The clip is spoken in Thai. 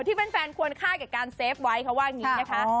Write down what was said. ที่แฟนควรคาดกับการเซฟไว้เขาว่าอย่างนี้นะคะ